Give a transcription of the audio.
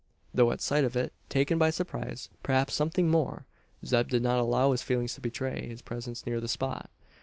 Though at sight of it, taken by surprise perhaps something more Zeb did not allow his feelings to betray his presence near the spot.